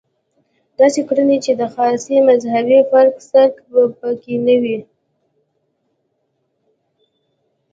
داسې کړنې چې د خاصې مذهبي فرقې څرک به په کې نه وي.